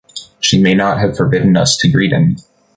She may not have forbidden us to greet him!